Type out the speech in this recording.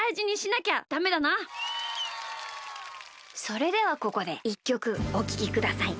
それではここで１きょくおききください。